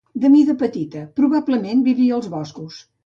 De mida petita, probablement vivia als boscos.